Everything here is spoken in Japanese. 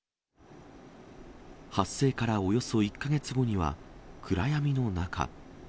発生からおよそ１か月後には、暗闇の中。